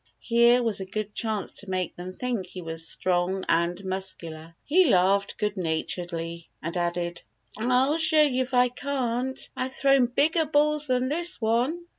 Here was a good chance to make them think he was strong and muscular. He laughed good naturedly, and added: "I'll show you if I can't! I've thrown bigger balls than this one."